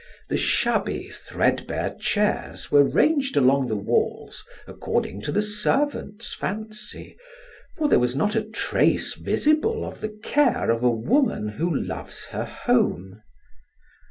The shabby, threadbare chairs were ranged along the walls according to the servant's fancy, for there was not a trace visible of the care of a woman who loves her home.